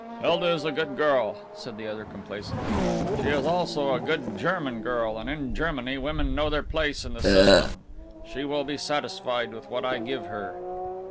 "Hilda is a good girl," said the other complacently, "she is also a good German girl, and in Germany women know their place in the system. She will be satisfied with what I give her."